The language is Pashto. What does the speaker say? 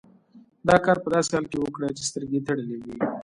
دا کار په داسې حال کې وکړئ چې سترګې یې تړلې وي.